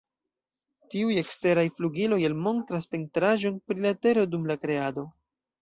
Tiuj eksteraj flugiloj, elmontras pentraĵon pri la tero dum la Kreado.